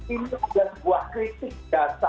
ini sudah sebuah kritik biasa